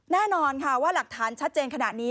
แน่นอนค่ะว่าหลักฐานชัดเจนขนาดนี้